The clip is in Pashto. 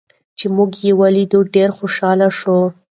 چې موږ یې ولیدو، ډېر خوشحاله شو.